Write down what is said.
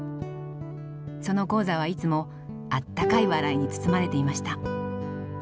その高座はいつもあったかい笑いに包まれていました。